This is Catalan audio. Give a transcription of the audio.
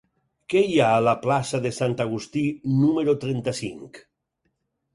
Què hi ha a la plaça de Sant Agustí número trenta-cinc?